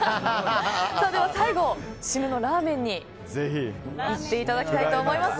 最後、締めのラーメンにいっていただきたいと思います。